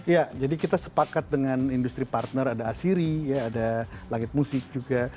ya jadi kita sepakat dengan industri partner ada asiri ada langit musik juga